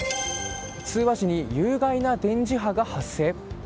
通話時に有害な電磁波が発生？